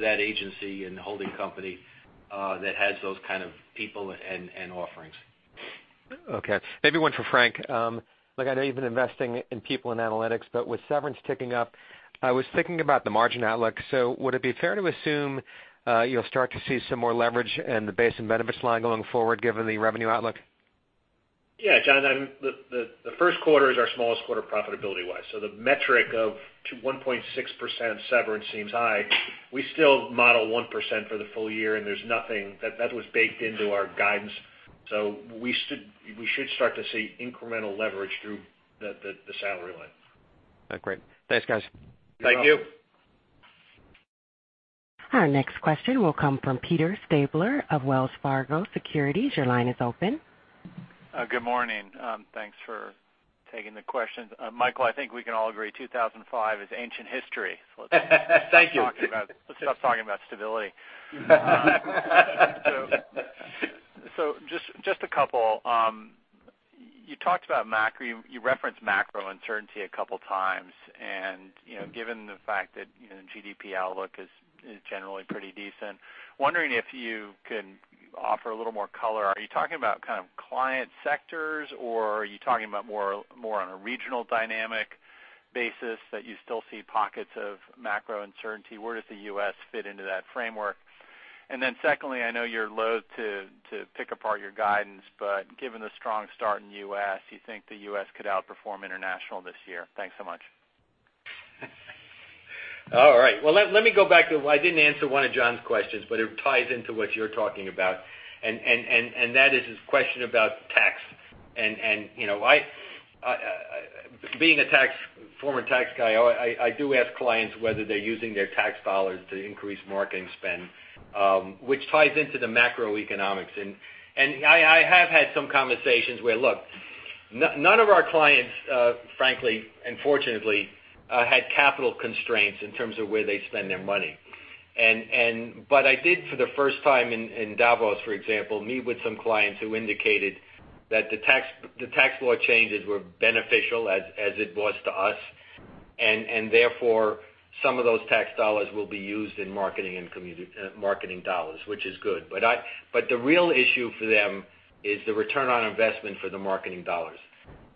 that agency and holding company that has those kind of people and offerings. Okay. Maybe one for Frank. Look, I know you've been investing in people and analytics, but with severance ticking up, I was thinking about the margin outlook. So would it be fair to assume you'll start to see some more leverage in the base and benefits line going forward given the revenue outlook? Yeah. John, the first quarter is our smallest quarter profitability-wise. So the metric of 1.6% severance seems high. We still model 1% for the full year, and that was baked into our guidance. So we should start to see incremental leverage through the salary line. Great. Thanks, guys. Thank you. Our next question will come from Peter Stabler of Wells Fargo Securities. Your line is open. Good morning. Thanks for taking the questions. Michael, I think we can all agree 2005 is ancient history. So let's stop talking about stability. So just a couple. You talked about macro. You referenced macro uncertainty a couple of times. And given the fact that GDP outlook is generally pretty decent, wondering if you can offer a little more color. Are you talking about kind of client sectors, or are you talking about more on a regional dynamic basis that you still see pockets of macro uncertainty? Where does the U.S. fit into that framework? And then secondly, I know you're loath to pick apart your guidance, but given the strong start in the U.S., you think the U.S. could outperform international this year? Thanks so much. All right. Well, let me go back to I didn't answer one of John's questions, but it ties into what you're talking about. And that is his question about tax. And being a former tax guy, I do ask clients whether they're using their tax dollars to increase marketing spend, which ties into the macroeconomics. I have had some conversations where, look, none of our clients, frankly and fortunately, had capital constraints in terms of where they spend their money. But I did, for the first time in Davos, for example, meet with some clients who indicated that the tax law changes were beneficial as it was to us. And therefore, some of those tax dollars will be used in marketing dollars, which is good. But the real issue for them is the return on investment for the marketing dollars.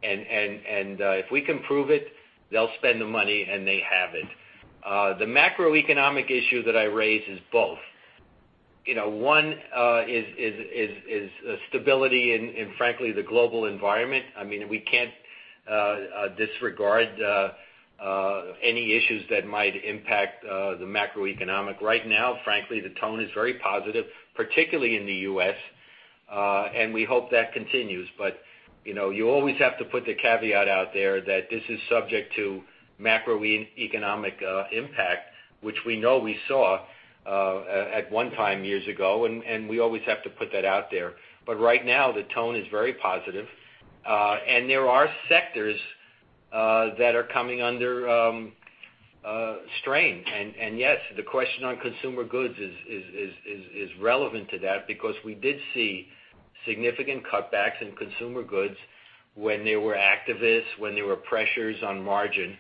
And if we can prove it, they'll spend the money, and they have it. The macroeconomic issue that I raise is both. One is stability in, frankly, the global environment. I mean, we can't disregard any issues that might impact the macroeconomic. Right now, frankly, the tone is very positive, particularly in the U.S. We hope that continues. But you always have to put the caveat out there that this is subject to macroeconomic impact, which we know we saw at one time years ago. And we always have to put that out there. But right now, the tone is very positive. And there are sectors that are coming under strain. And yes, the question on consumer goods is relevant to that because we did see significant cutbacks in consumer goods when there were activists, when there were pressures on margin.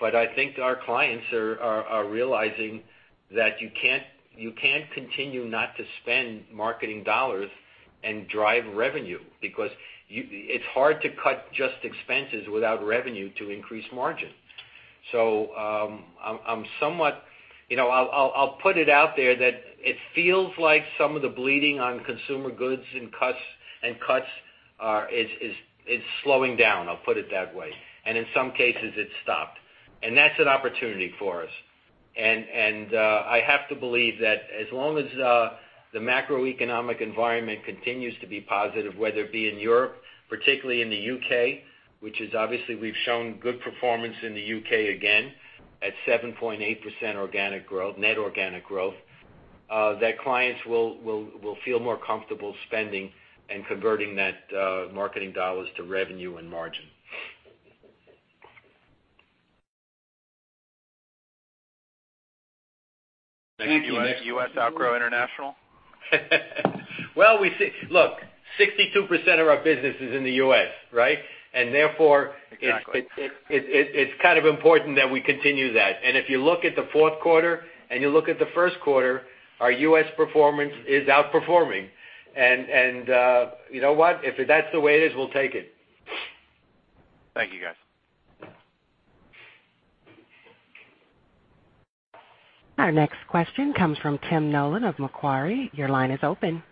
But I think our clients are realizing that you can't continue not to spend marketing dollars and drive revenue because it's hard to cut just expenses without revenue to increase margin. So I'm somewhat, I'll put it out there that it feels like some of the bleeding on consumer goods and cuts is slowing down. I'll put it that way. And in some cases, it stopped. And that's an opportunity for us. And I have to believe that as long as the macroeconomic environment continues to be positive, whether it be in Europe, particularly in the U.K., which is obviously we've shown good performance in the U.K. again at 7.8% net organic growth, that clients will feel more comfortable spending and converting that marketing dollars to revenue and margin. Thank you. U.S. organic growth? Well, look, 62% of our business is in the U.S., right? And therefore, it's kind of important that we continue that. And if you look at the fourth quarter and you look at the first quarter, our U.S. performance is outperforming. And you know what? If that's the way it is, we'll take it. Thank you, guys Our next question comes from Tim Nollen of Macquarie. Your line is open.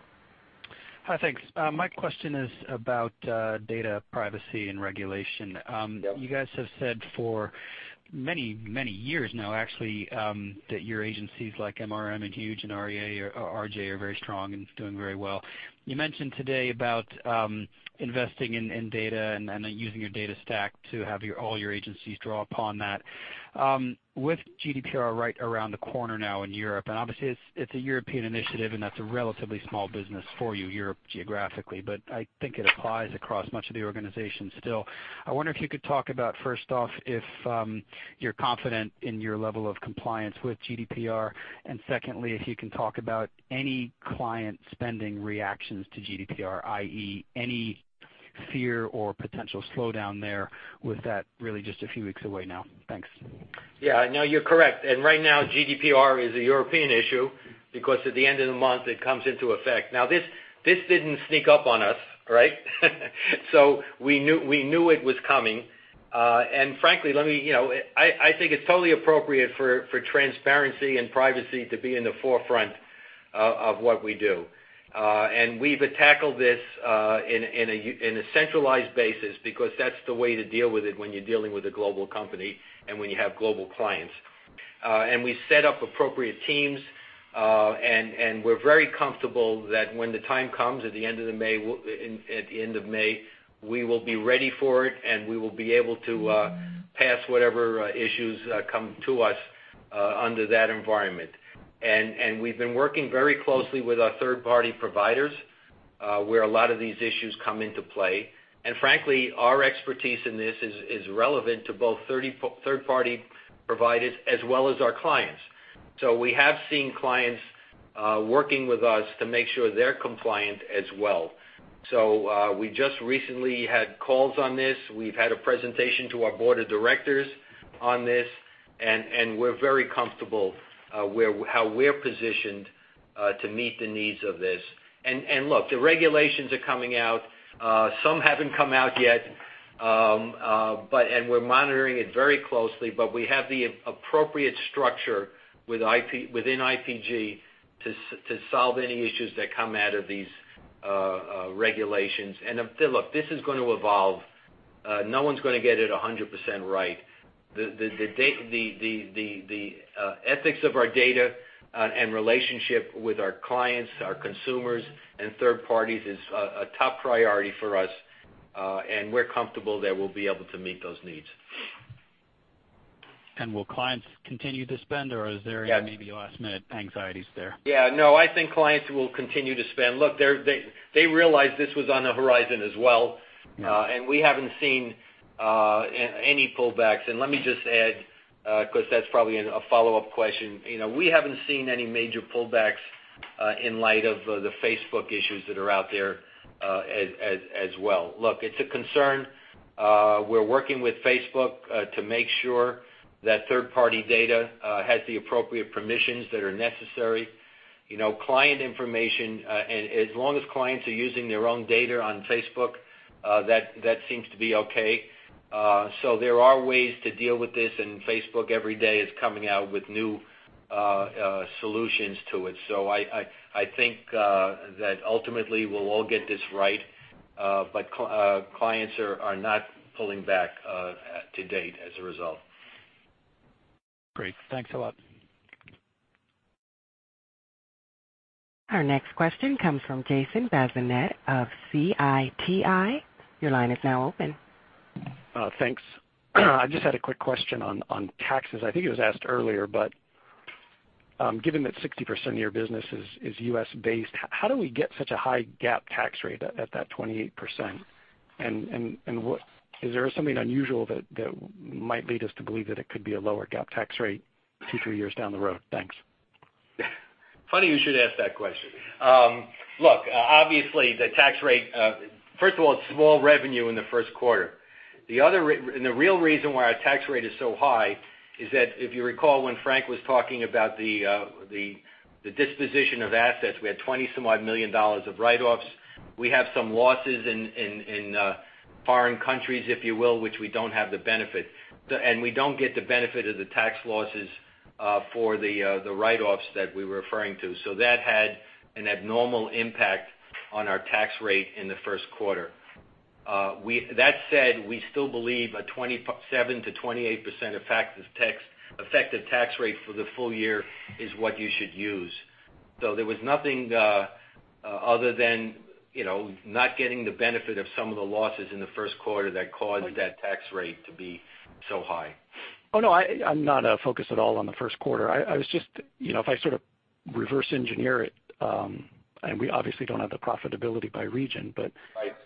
Hi, thanks. My question is about data privacy and regulation. You guys have said for many, many years now, actually, that your agencies like MRM and Huge and R/GA are very strong and doing very well. You mentioned today about investing in data and using your data stack to have all your agencies draw upon that. With GDPR right around the corner now in Europe, and obviously, it's a European initiative, and that's a relatively small business for you, Europe geographically, but I think it applies across much of the organization still. I wonder if you could talk about, first off, if you're confident in your level of compliance with GDPR, and secondly, if you can talk about any client spending reactions to GDPR, i.e., any fear or potential slowdown there with that really just a few weeks away now. Thanks. Yeah. No, you're correct. Right now, GDPR is a European issue because at the end of the month, it comes into effect. Now, this didn't sneak up on us, right? We knew it was coming. Frankly, I think it's totally appropriate for transparency and privacy to be in the forefront of what we do. We've tackled this in a centralized basis because that's the way to deal with it when you're dealing with a global company and when you have global clients. We set up appropriate teams, and we're very comfortable that when the time comes at the end of May, we will be ready for it, and we will be able to pass whatever issues come to us under that environment. We've been working very closely with our third-party providers where a lot of these issues come into play. Frankly, our expertise in this is relevant to both third-party providers as well as our clients. We have seen clients working with us to make sure they're compliant as well. We just recently had calls on this. We've had a presentation to our board of directors on this, and we're very comfortable with how we're positioned to meet the needs of this. Look, the regulations are coming out. Some haven't come out yet, and we're monitoring it very closely, but we have the appropriate structure within IPG to solve any issues that come out of these regulations. Look, this is going to evolve. No one's going to get it 100% right. The ethics of our data and relationship with our clients, our consumers, and third parties is a top priority for us, and we're comfortable that we'll be able to meet those needs. And will clients continue to spend, or is there maybe last-minute anxieties there? Yeah. No, I think clients will continue to spend. Look, they realized this was on the horizon as well, and we haven't seen any pullbacks. And let me just add, because that's probably a follow-up question, we haven't seen any major pullbacks in light of the Facebook issues that are out there as well. Look, it's a concern. We're working with Facebook to make sure that third-party data has the appropriate permissions that are necessary. Client information, as long as clients are using their own data on Facebook, that seems to be okay. So there are ways to deal with this, and Facebook every day is coming out with new solutions to it. So I think that ultimately, we'll all get this right, but clients are not pulling back to date as a result. Great. Thanks a lot. Our next question comes from Jason Bazinet of Citi. Your line is now open. Thanks. I just had a quick question on taxes. I think it was asked earlier, but given that 60% of your business is U.S.-based, how do we get such a high-GAAP tax rate at that 28%? And is there something unusual that might lead us to believe that it could be a lower-GAAP tax rate two, three years down the road? Thanks. Funny you should ask that question. Look, obviously, the tax rate, first of all, it's small revenue in the first quarter. The real reason why our tax rate is so high is that if you recall when Frank was talking about the disposition of assets, we had $20-some-odd million of write-offs. We have some losses in foreign countries, if you will, which we don't have the benefit. We don't get the benefit of the tax losses for the write-offs that we were referring to. So that had an abnormal impact on our tax rate in the first quarter. That said, we still believe a 27%-28% effective tax rate for the full year is what you should use. So there was nothing other than not getting the benefit of some of the losses in the first quarter that caused that tax rate to be so high. Oh, no. I'm not focused at all on the first quarter. I was just, if I sort of reverse-engineer it, and we obviously don't have the profitability by region, but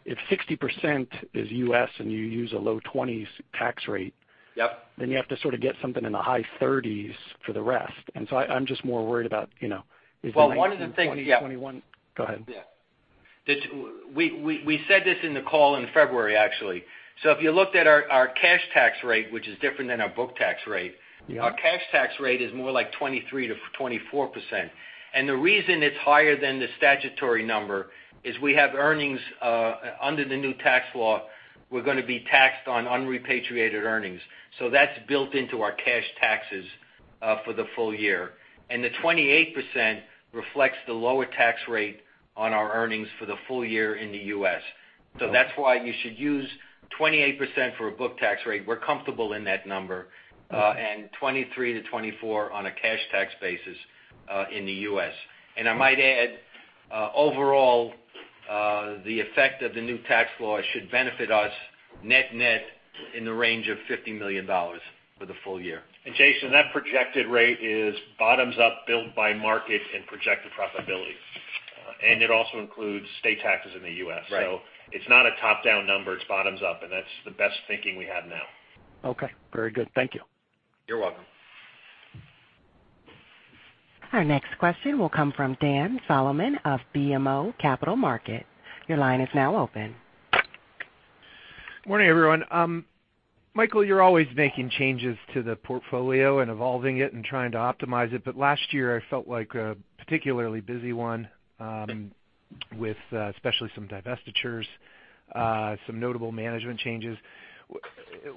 if 60% is U.S. and you use a low 20s tax rate, then you have to sort of get something in the high 30s for the rest. So I'm just more worried about, is there anything about 2021? Well, one of the things. Go ahead. Yeah. We said this in the call in February, actually. So if you looked at our cash tax rate, which is different than our book tax rate, our cash tax rate is more like 23%-24%. And the reason it's higher than the statutory number is we have earnings under the new tax law. We're going to be taxed on unrepatriated earnings. So that's built into our cash taxes for the full year. And the 28% reflects the lower tax rate on our earnings for the full year in the U.S. So that's why you should use 28% for a book tax rate. We're comfortable in that number, and 23%-24% on a cash tax basis in the U.S. I might add, overall, the effect of the new tax law should benefit us net-net in the range of $50 million for the full year. Jason, that projected rate is bottoms-up, built by market, and projected profitability. It also includes state taxes in the U.S. So it's not a top-down number. It's bottoms-up, and that's the best thinking we have now. Okay. Very good. Thank you. You're welcome. Our next question will come from Dan Salmon of BMO Capital Markets. Your line is now open. Morning, everyone. Michael, you're always making changes to the portfolio and evolving it and trying to optimize it, but last year, I felt like a particularly busy one with especially some divestitures, some notable management changes.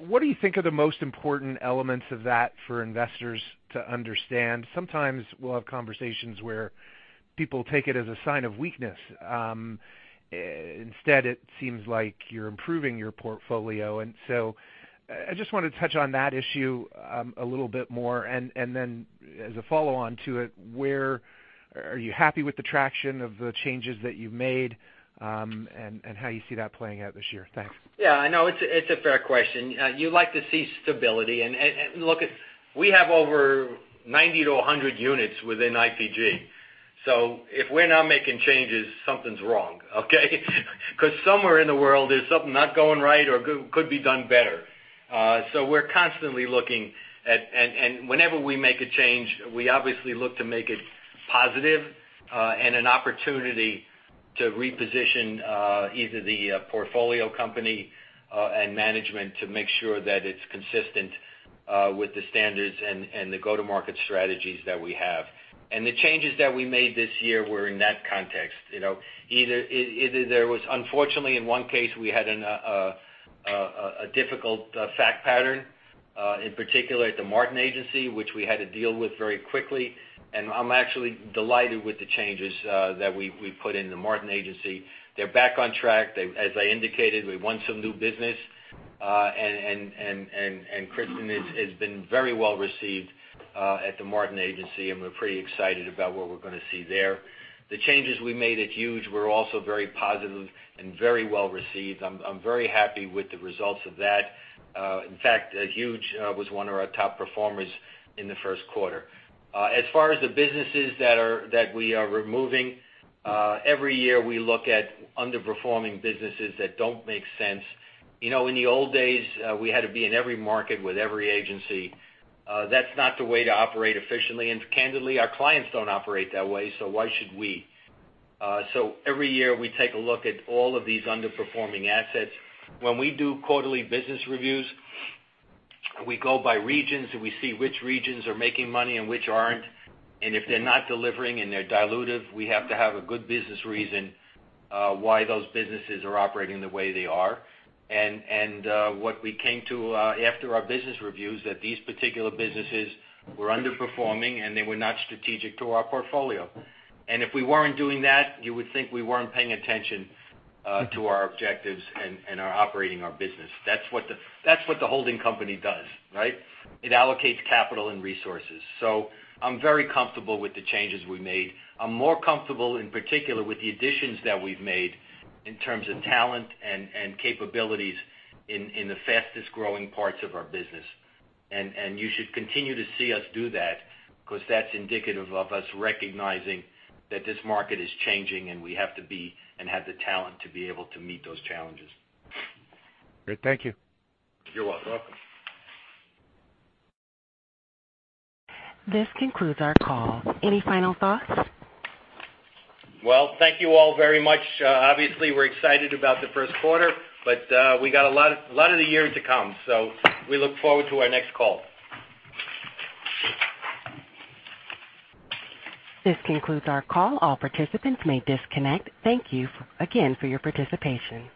What do you think are the most important elements of that for investors to understand? Sometimes we'll have conversations where people take it as a sign of weakness. Instead, it seems like you're improving your portfolio, and so I just want to touch on that issue a little bit more, and then, as a follow-on to it, where are you happy with the traction of the changes that you've made and how you see that playing out this year? Thanks. Yeah. I know it's a fair question. You like to see stability, and look, we have over 90-100 units within IPG. So if we're not making changes, something's wrong, okay? Because somewhere in the world, there's something not going right or could be done better. So we're constantly looking. Whenever we make a change, we obviously look to make it positive and an opportunity to reposition either the portfolio company and management to make sure that it's consistent with the standards and the go-to-market strategies that we have. The changes that we made this year were in that context. Either there was, unfortunately, in one case, we had a difficult fact pattern, in particular at The Martin Agency, which we had to deal with very quickly. I'm actually delighted with the changes that we put in The Martin Agency. They're back on track. As I indicated, we won some new business, and Kristen has been very well received at The Martin Agency, and we're pretty excited about what we're going to see there. The changes we made at Huge were also very positive and very well received. I'm very happy with the results of that. In fact, Huge was one of our top performers in the first quarter. As far as the businesses that we are removing, every year we look at underperforming businesses that don't make sense. In the old days, we had to be in every market with every agency. That's not the way to operate efficiently. And candidly, our clients don't operate that way, so why should we? So every year, we take a look at all of these underperforming assets. When we do quarterly business reviews, we go by regions, and we see which regions are making money and which aren't. And if they're not delivering and they're dilutive, we have to have a good business reason why those businesses are operating the way they are. And what we came to after our business reviews is that these particular businesses were underperforming, and they were not strategic to our portfolio. If we weren't doing that, you would think we weren't paying attention to our objectives and operating our business. That's what the holding company does, right? It allocates capital and resources. So I'm very comfortable with the changes we made. I'm more comfortable, in particular, with the additions that we've made in terms of talent and capabilities in the fastest-growing parts of our business. And you should continue to see us do that because that's indicative of us recognizing that this market is changing, and we have to be and have the talent to be able to meet those challenges. Great. Thank you. You're welcome. This concludes our call. Any final thoughts? Well, thank you all very much. Obviously, we're excited about the first quarter, but we got a lot of the year to come. So we look forward to our next call. This concludes our call. All participants may disconnect. Thank you again for your participation.